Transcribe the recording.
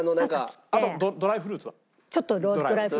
あとドライフルーツは？